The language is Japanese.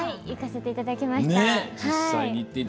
行かせていただきました。